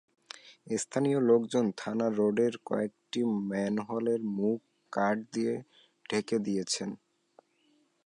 স্থানীয় লোকজন থানা রোডের কয়েকটি ম্যানহোলের মুখ কাঠ দিয়ে ঢেকে দিয়েছেন।